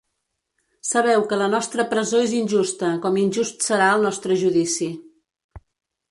Sabeu que la nostra presó és injusta com injust serà el nostre judici.